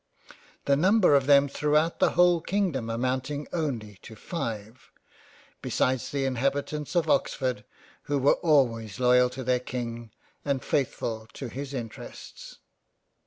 The number of them throughout the whole Kingdom amounting only to five, besides the inhabitants of Oxford who were always loyal to their King and faithful to his interests.